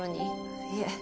いえ